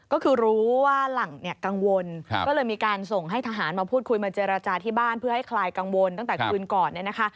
ก็คือรู้ว่าหลังเนี่ยกังวลก็เลยมีการส่งให้ทหารมาพูดคุยมาเจรจาที่บ้านเพื่อให้คลายกังวลตั้งแต่คืนก่อนเนี่ยนะคะ